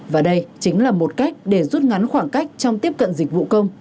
và đây chính là một cách để rút ngắn khoảng cách trong tiếp cận dịch vụ công